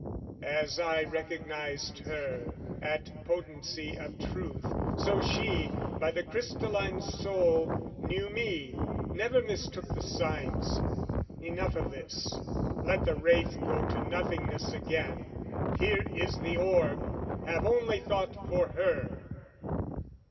As I "Recognised her, at potency of truth, "So she, by the crystalline soul, knew me, "Never mistook the signs. Enough of this "Let the wraith go to nothingness again, "Here is the orb, have only thought for her!"